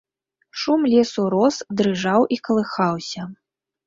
Шум лесу рос, дрыжаў і калыхаўся.